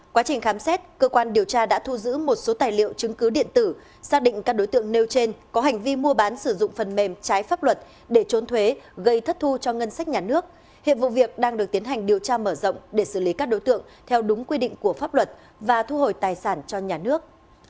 quá trình khám xét cơ quan điều tra đã thu giữ một số tài liệu chứng cứ điện tử xác định các đối tượng nêu trên có hành vi mua bán sử dụng phần mềm trái pháp luật để trốn thuế gây thất thu cho ngân sách nhà nước hiệp vụ việc đang được tiến hành điều tra mở rộng để xử lý các đối tượng theo đúng quy định của pháp luật và thu hồi tài sản cho nhà nước